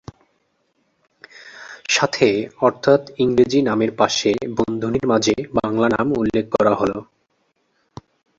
সাথে অর্থাৎ ইংরেজি নামের পাশে বন্ধনীর মাঝে বাংলা নাম উল্লেখ করা হলো।